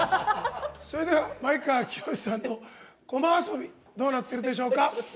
それでは、前川清さんのこま遊びどうなってるでしょうか。